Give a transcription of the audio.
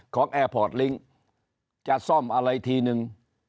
แอร์พอร์ตลิงค์จะซ่อมอะไรทีนึง